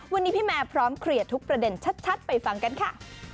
วันนี้พี่แมร์พร้อมเคลียร์ทุกประเด็นชัดไปฟังกันค่ะ